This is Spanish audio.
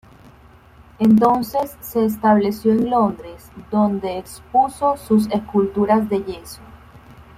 Entonces se estableció en Londres, donde expuso sus esculturas de yeso.